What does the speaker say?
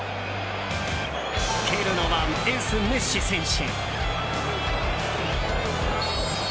蹴るのはエース、メッシ選手。